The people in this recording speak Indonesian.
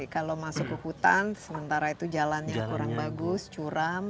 kalau masuk ke hutan sementara itu jalannya kurang bagus curam